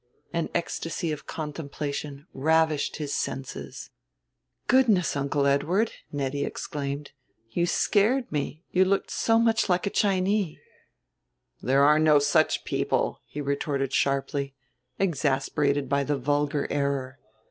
An ecstasy of contemplation ravished his senses. "Goodness, Uncle Edward," Nettie exclaimed, "you scared me, you looked so like a Chinee." "There are no such people," he retorted sharply, exasperated by the vulgar error.